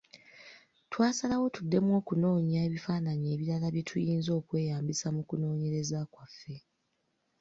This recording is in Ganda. Twasalawo tuddemu okunoonya ebifaananyi ebirala bye tuyinza okweyambisa mu kunoonyereza kwaffe.